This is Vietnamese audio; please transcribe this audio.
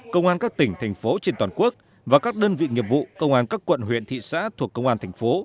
công an các tỉnh thành phố trên toàn quốc và các đơn vị nghiệp vụ công an các quận huyện thị xã thuộc công an thành phố